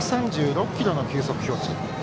１３６キロの球速表示。